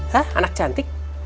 hah anak cantik